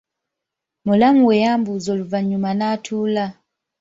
Mulamu we yamubuuza oluvanyuma n'atuula.